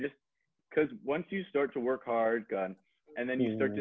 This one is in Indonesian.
dan setelah itu saya hanya terpaksa berhenti